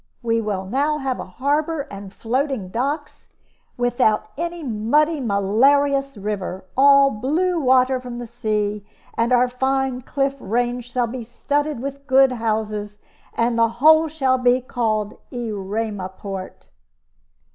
We will now have a harbor and floating docks, without any muddy, malarious river all blue water from the sea; and our fine cliff range shall be studded with good houses. And the whole shall be called 'Erema port.'"